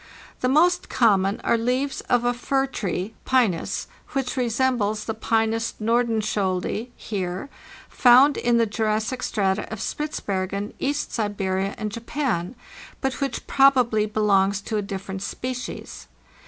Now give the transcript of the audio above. The most common are leaves of a fir tree (Pzzas) which resembles the P2zzs Nordenskioldi (Heer) found in the Jurassic strata of Spitzbergen, East Siberia, and Japan, but which proba bly belongs to a different species.